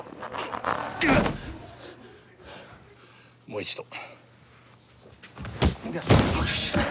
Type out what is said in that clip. もう一度。